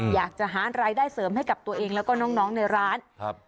อยากจะหารายได้เสริมให้กับตัวเองแล้วก็น้องในร้านครับ